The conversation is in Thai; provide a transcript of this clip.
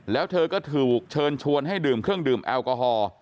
แล้วเธอก็ถูกเชิญชวนให้ดื่มเครื่องดื่มแอลกอฮอล์